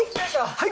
はい。